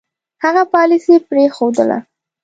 هغه پالیسي پرېښودله.